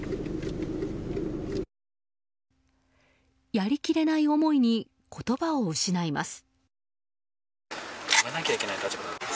やりきれない思いに言葉を失います。